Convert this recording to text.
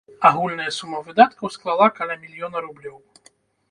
Агульная сума выдаткаў склала каля мільёна рублёў.